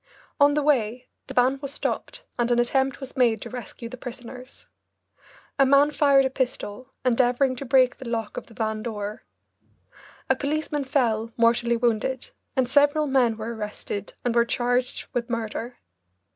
On the way the van was stopped and an attempt was made to rescue the prisoners. A man fired a pistol, endeavouring to break the lock of the van door. A policeman fell, mortally wounded, and several men were arrested and were charged with murder.